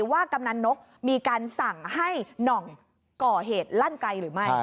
กำนันนกมีการสั่งให้หน่องก่อเหตุลั่นไกลหรือไม่